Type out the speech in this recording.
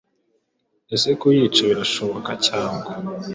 Ese kuyica birashoboka cyangwa?